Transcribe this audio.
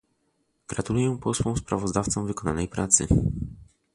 Gratuluję posłom sprawozdawcom wykonanej pracy